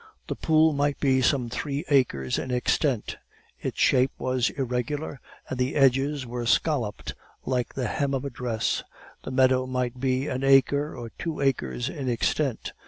The pool might be some three acres in extent; its shape was irregular, and the edges were scalloped like the hem of a dress; the meadow might be an acre or two acres in extent.